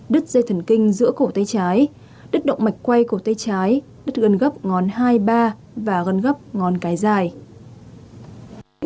đứt dây thần kinh giữa cổ tay trái đứt động mạch quay cổ tay trái đứt gân gấp ngón hai ba và gân gấp ngón cái dài